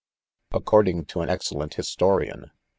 9 According to an excellent historian.